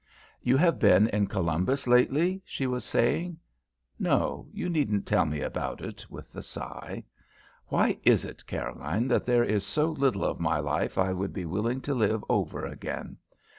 "You have been in Columbus lately?" she was saying. "No, you needn't tell me about it," with a sigh. "Why is it, Caroline, that there is so little of my life I would be willing to live over again?